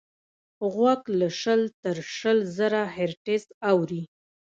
غوږ له شل تر شل زره هیرټز اوري.